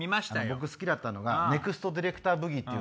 僕好きだったのが『ネクストディレクターブギ』。